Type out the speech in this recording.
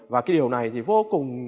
và cái điều này thì vô cùng